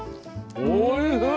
おいしい！